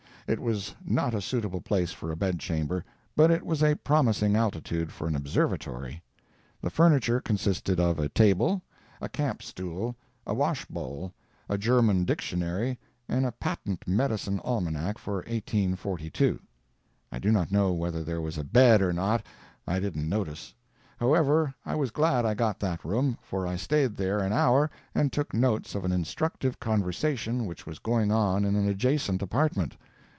It was not a suitable place for a bedchamber, but it was a promising altitude for an observatory. The furniture consisted of a table, a camp stool, a wash bowl, a German Dictionary and a patent medicine Almanac for 1842. I do not know whether there was a bed or not—I didn't notice. However, I was glad I got that room, for I stayed there an hour and took notes of an instructive conversation which was going on in an adjoining apartment.